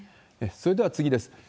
それでは次です。